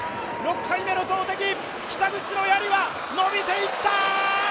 ６回目の投てき、北口のやりは伸びていった！